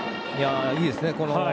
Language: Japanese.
いいですね。